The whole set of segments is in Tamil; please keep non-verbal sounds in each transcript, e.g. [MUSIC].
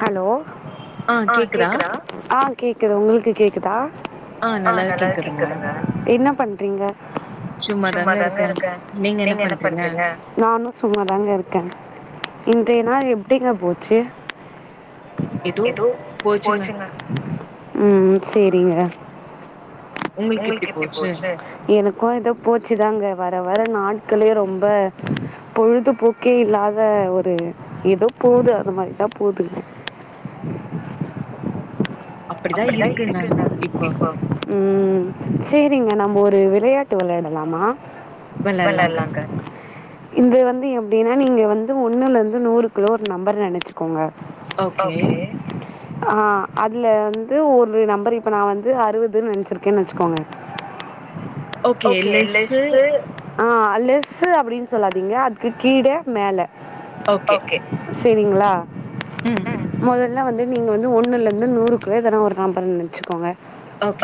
ஹலோ அ கேக்குறா ஆ கேக்குது ஒங்களுக்கு கேக்குதா அ நல்லாவே கேக்குதுங்க என்ன பண்றீங்க சும்மா தாங்க இருக்க நீங்க என்ன பண்றீங்க நானு சும்மாதாங்க இர்க்க இன்றய நா எப்டிங்க போத் சு எதோ போச்சுங்க ம் சேரிங்க ஒங்கள்க்கு எப்டி போச்சு எனக்கு எதோ போச்சிதாங்க வர வர நாட்களே ரொம்ப பொழுதுபோக்கே இல்லாத ஒரு எதோ போத ந்த மரிதா போது அப்படிதா இருக்கு இப்ப ம் சேரிங்க நம்ப ஒரு விளையாட்டு விளையாடலாமா வெள்ளாட்லாங்க இங்க வந்து எப்டின்னா நீங்க வந்து ஒன்னுலேந்து நூறுக்குள்ள ஒரு நம்பர் நெனச்சிக்கோங்க ஓகே அ அதுல வந் ஒரு நம்பரரு இப்ப நா வந்து அறுவது நெனசிருக்கேன் வெச்சிக்கோங்க ஓகே லெஸ்சு ஆ லெஸ்சு அப்புன் சொல்லாதீங்க அதுக்கு கீட மேல ஓகே சேரிங்களா ம் மொதல்ல வந்து நீங்க வந்து ஒன்னுலந்து நூறுக் குள்ள எதான ஒரு நம்பர நெனச்சுக்கோங்க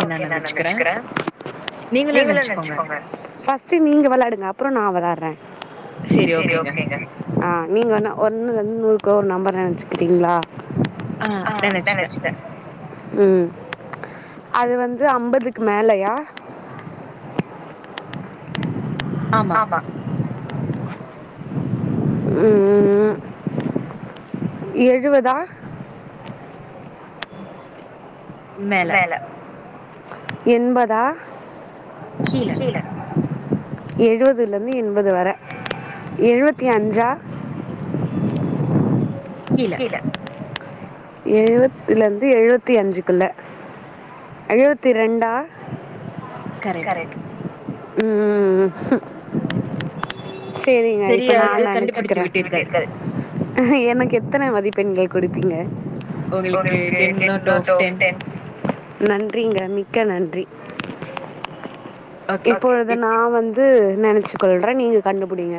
ஓகே நா நெனச்சுக்ற நீங்களு நெனச்சுக்கோங்க ஃப ஸ்ட்டு நீங்க விளாடுங்க அப்றோ நா விளாட்ற சேரி ஓகேங்க ஆ நீங்க வந்து ஒன்னுலருந்து நூறுக்குள்ள ஒரு நம்பர் நெனச்சிக்றீங்ளா ஆ நெனச்சிட்ட ம் அது வந்து அம்பதுக்கு மேலயா ஆமா ம்ம் ம் எழுவதா மேல எண்பதா கீழ எழுவதுலந்து எண்பது வர எழுவத்தி அஞ்சா கீழ எழுவத்லந்து எழுவத்தி அஞ்சுக்குள்ள, எழுவத்தி ரெண்டா கரெக்ட் ம் ம் செரிங்க இப்ப நா நெனச்சுக்கிற அ எனக்கு எத்தன மதிப்பெண்கள் குடுப்பீங்க உங்களுக்கு டென் அவுட் ஆஃப் டென் நன்றிங்க மிக்க நன்றி இப்பொழுது நா வந் து நெனச்சு கொள்றே நீங்க கண்டுபுடிங்க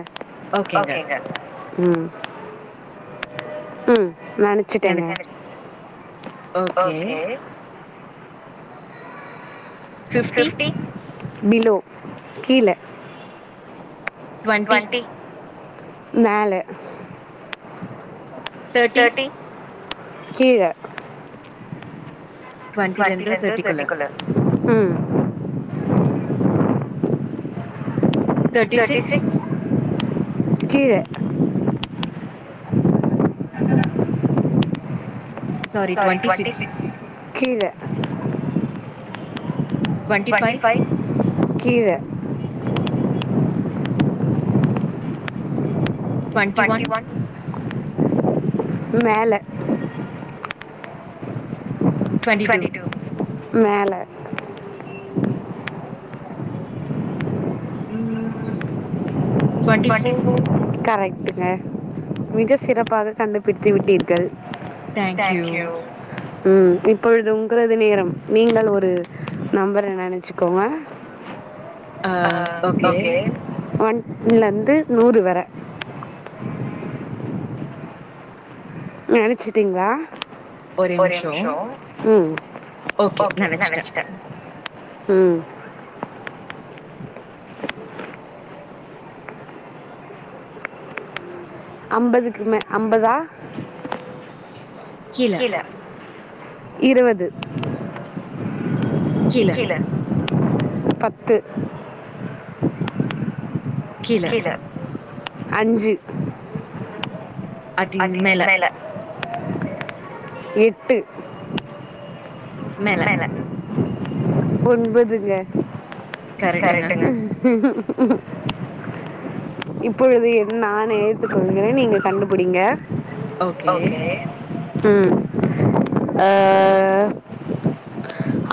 ஓகேங்க ம் ம் நெனைச்சிட்டேங்க ஃபிஃப்டி பிலோ கீழ டுவெண்டி மேல தேர்ட்டி கீழ ம் கீழ கீழ டுவன்ட்டி ஃபைவ் கீழ டுவன்ட்டி ஒன் மேல டுவென்ட்டி டூ மேல ம் கரட் ட்ங்க மிக சிறப்பாக கண்டு பிடித்து விட்டீர்கள் உம் இப்பொழுது உங்களது நேரம் நீங்கள் ஒரு நம்பர நினைச்சுக்கோங்க ஒன் இதுலருந்து நூறு வர நெனைச்சிட்டீங்களா ம் ம் அம்பதுக்கு மே அம்பதா கீழ இருவது கீழ பத்து கீழ அஞ்சு அதின் மேல எட்டு மேல ஒன்பது ங்க கரெட்டுங்க இப்பொழுது என் நான் ஏத்துக்கொள்கிறே நீங்க கண்டுபுடிங்க ஓகே அ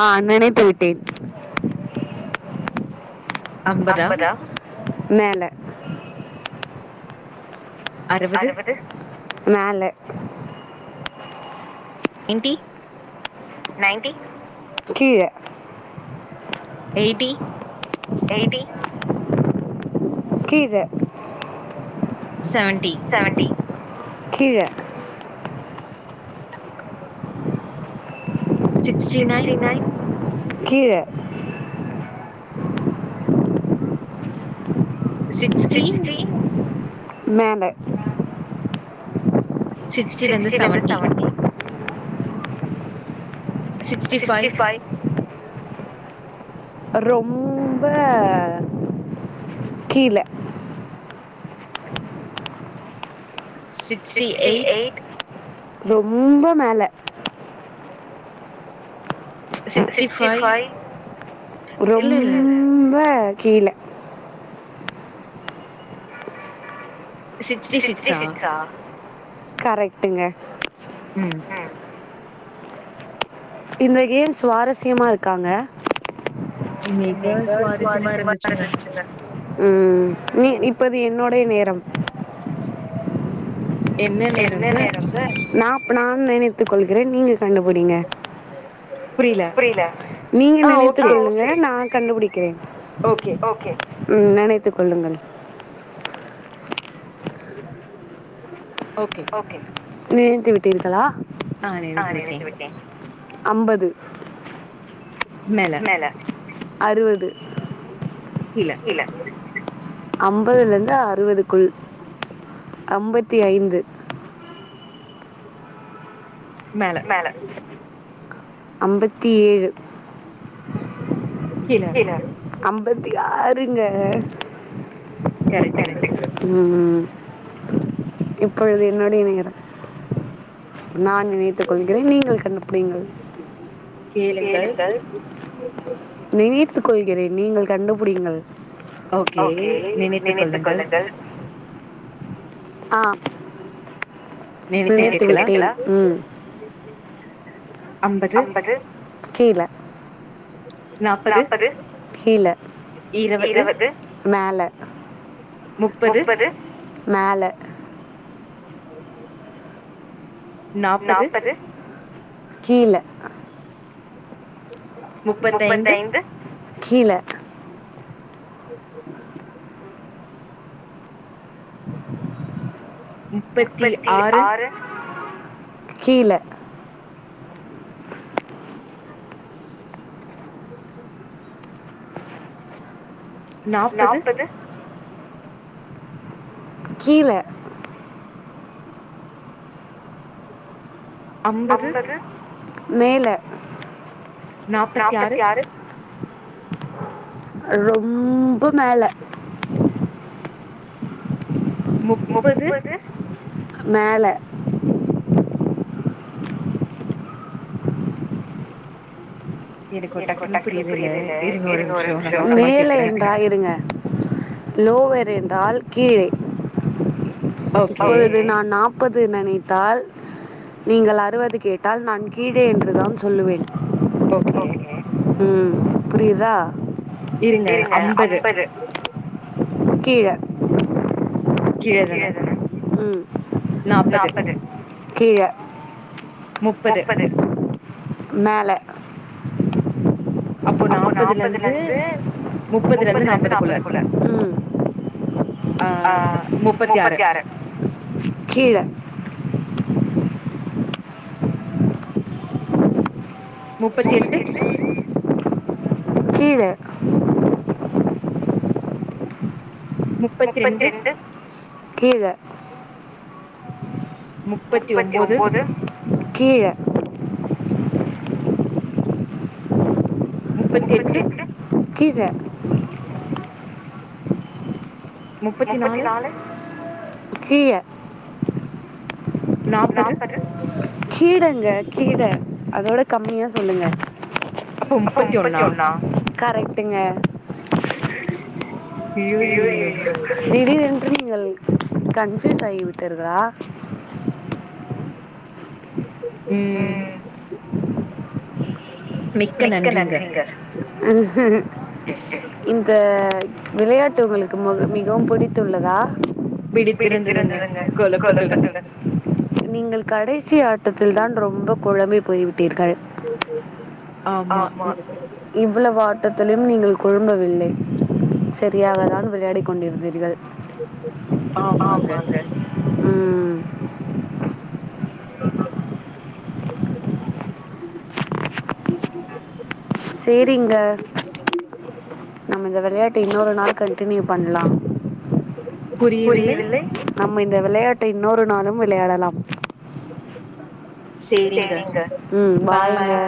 ஆ நினைத்து விட்டேன் அம்பதா மேல அறுவது மேல யன்டி நயன்டி எய்ட்டி எய்ட்டி செவன்டி கீழ சிக்ஸ்டி நைன் கீழ சிக்ஸ்டி மேல சிக்ஸ்டிலந்து செவண்டி சிக்ஸ்டி ஃபைவ் ரொம்ப கீழ சிக்ஸ்ட்டி எயிட் ரொம்ப மேல சிக்ஸ்டி ஃபைவ் கீழ சிக்ஸ்டி சிக்ஸா கரெக்ட்டுங்க ம் இந்த கேம் ஸ்சுவாரஸ்யமா இருக்காங்க மிக சுவாரஸ்யமா இருந்துச்சுங்க ம் நீ இப்ப அது என்னோ டைய நேரம் என்ன நேரொங்க நா அப்புனா நெனைப் கொள்கிறே நீங்க கண்டுபிடிங்க புரிய்ல நீங்க நெனைத்து கொள்ளுங்க நா கண்டுபுடிக்கிறே ஓகே ம் நெனைத்து கொள்ளுங்கள் ஓகே நினைத்து விட்டீர்களா ஆ நினைத்து விட்டே அம்பது மேல அறுவது கீழே அம்பதுல இருந்து அறு வதுக்குள் அம்பத்தி ஐந்து மேல அம்பத் தி ஏழு கீழ அம்பத்தி ஆறு ங்க கரெக்டுங்க ம் ம் ம் இப்பொழுது என்னுடைய நேரம் நான் நினைத்து கொள்கிறேன் நீங்கள் கண்டுபுடியுங்கள் கேளுங்கள் ஓகே நினைத்துக் கொள்ளுங்கள் ஆ நினைத்து விட்டேன் ம் கீழ கீழ இருவது மேல முப்பது மேல நாப்பது கீழ முப்பத்தைந்து கீழ முப்பத்தி ஆறு கீழ நாப்பது கீழ அம்பது மேல நாப்பத்தி ஆறு ரொம்போ மேல முப்பது மேல [UNINTELLIGIBLE] லோவர் என்றால் கீழே இப்பொழுது நான் நா பது நெனைத்தால் நீங்கள் அறுவது கேட்டால் நான் கீழே என்றுதான் சொல்லுவேன் ஓகே ம் புரிதா இருங்க அம்பது கீழ கீழதான நாப்பது முப்பது மேல அப்போ நாப்பதுலந்து முப்பதுலந்து நாப்பதுகுள்ள ஆ முப்பத்தி ஆறு கீழ முப்பத்தி எட்டு கீழ முப்பதிரெண்டு கீழ முப்பத்தி ஒம்போது கீழ முப்பத்தி எட்டு கீழ முப்பத்தி நாலு கீழ நாப்பது கிழங்க கிழ அதோட கம்மியா சொல்லுங்க அப்போ முப்பத்தி ஒண்ணா கரெட்டுங்க இயோ இய ஐ ய யோ திடீரென்று நீங்கள் கன்புயூஸ் ஆகி விட்டீர்களா ம் மிக்க நன்றிங்க இந்த விளையாட்டு உங்களுக்கு மோக மீ மிகவு பிடித்துள்ளதா பிடித்திறந்ததுங்க கொழப்பத்துல நீங்கள் கடைசி ஆட்டத்தில் தான் ரொம்ப குழம்பி போய்வி ட்டீர்கள் ஆமா இவ்ளவா தத்திலியும் நீங்கள் கொழும்பவில்லை சரியாக தான் விளையாடி கொண்டிருந்தீர்கள் ஆமாங்க சேரிங்க நம்ம இந்த விளையாட்ட இன்னொரு நாள் கன்டின்யூ பண்ணலா புரியவில்லை நம்ம இந்த விளையாட் டை இன்னொரு நாளும் விளையாடலாம் சேரிங்க ம் பாய்ங்க